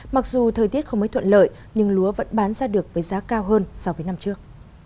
mặc dù thời tiết không mới thuận lợi nhưng lúa vẫn bán ra được với giá cao hơn so với năm trước